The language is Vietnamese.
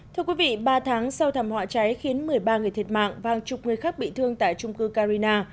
thưa quý vị ba tháng sau thảm họa cháy khiến một mươi ba người thiệt mạng và hàng chục người khác bị thương tại trung cư carina